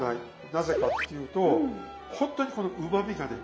なぜかっていうとほんとにこのうまみがね生きる。